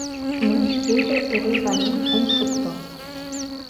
Мый шкеже эре ваҥен ом шукто.